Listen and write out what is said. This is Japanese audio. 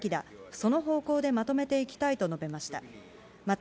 その方向でまとめていきたいと述べました。